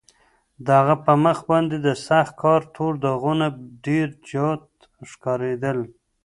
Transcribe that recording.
د هغه په مخ باندې د سخت کار تور داغونه ډېر جوت ښکارېدل.